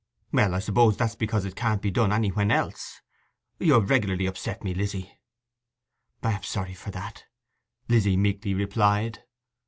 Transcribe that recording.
'Well, I suppose that's because it can't be done anywhen else ... You have regularly upset me, Lizzy.' 'I am sorry for that,' Lizzy meekly replied.